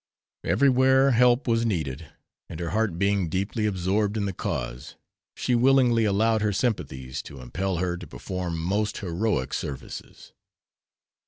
Everywhere help was needed, and her heart being deeply absorbed in the cause she willingly allowed her sympathies to impel her to perform most heroic services.